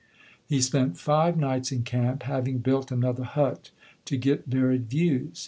He spent five nights in camp, having built another hut, to get varied views.